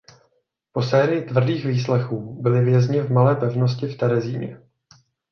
Po sérii tvrdých výslechů byli vězněni v Malé pevnosti v Terezíně.